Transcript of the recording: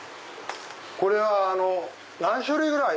これは何種類ぐらい？